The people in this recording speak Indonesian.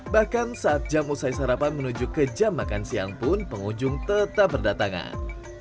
bahkan saat jam usai sarapan menuju ke jam makan siang pun pengunjung tetap berdatangan